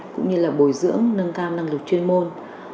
cũng như là bồi dưỡng nâng cao năng lực chuyên môn